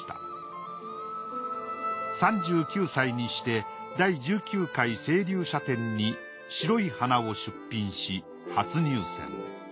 ３９歳にして第１９回青龍社展に『白い花』を出品し初入選。